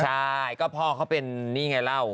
ใช่ก็พ่อเขาเป็นนี่ไงเล่า